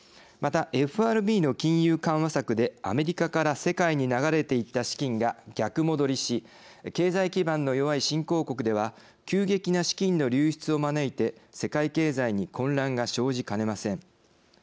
また、ＦＲＢの金融緩和策でアメリカから世界に流れていった資金が逆戻りし経済基盤の弱い新興国では急激な資金の流出を招いて世界経済に混乱が生じかねません。